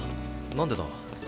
何でだ？